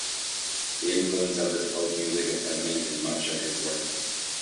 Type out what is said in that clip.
The influence of this folk music is evident in much of his work.